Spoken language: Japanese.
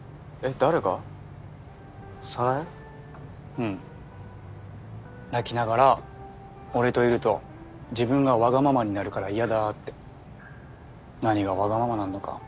うん泣きながら「俺といると自分がわがままになるから嫌だ」って何がわがままなんだか